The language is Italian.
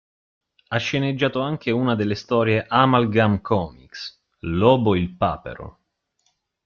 Ha sceneggiato anche una delle storie Amalgam Comics, "Lobo il papero".